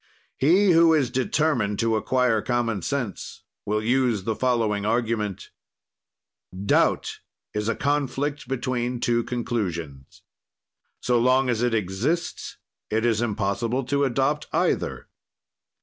He who is determined to acquire common sense will use the following argument: "Doubt is a conflict between two conclusions. "So long as it exists it is impossible to adopt either.